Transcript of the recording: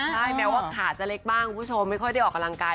ใช่แม้ว่าขาจะเล็กบ้างคุณผู้ชมไม่ค่อยได้ออกกำลังกาย